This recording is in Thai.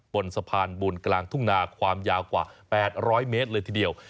บนสะพานบุญกลางทุ่งนาความยาวกว่า๘๐๐เมตรเลยทีเดียว